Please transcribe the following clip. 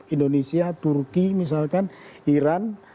indonesia turki misalkan iran